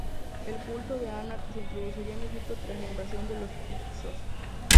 El culto de Anat se introduciría en Egipto tras la invasión de los hicsos.